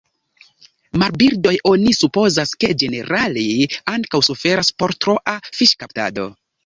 Marbirdoj oni supozas, ke ĝenerale ankaŭ suferas por troa fiŝkaptado.